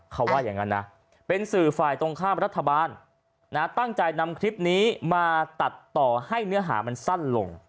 เขาว่าอย่างนั้นนะเป็นสื่อฝ่ายตรงข้ามรัฐบาลตั้งใจนำคลิปนี้มาตัดต่อให้เนื้อหามันสั้นลง